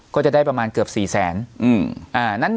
ก็จะได้ประมาณเกือบ๔แสน